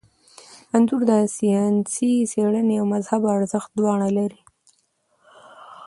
انځور د ساینسي څیړنې او مذهبي ارزښت دواړه لري.